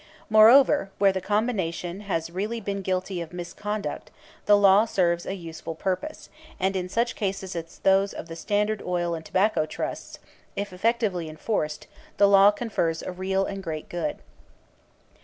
Moreover, where the combination has really been guilty of misconduct the law serves a useful purpose, and in such cases as those of the Standard Oil and Tobacco Trusts, if effectively enforced, the law confers a real and great good.